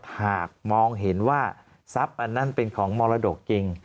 หากมองเห็นว่าทรัพย์อันนั้นเป็นของมรดกจริง